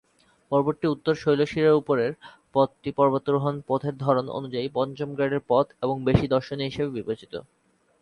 পর্বতটির উত্তর শৈলশিরার উপরের পথটি পর্বতারোহণ পথের ধরন অনুযায়ী পঞ্চম গ্রেডের পথ এবং বেশি দর্শনীয় হিসেবে বিবেচিত।